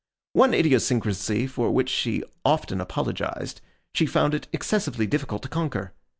One idiosyncrasy for which she often apologized, she found it excessively difficult to conquer.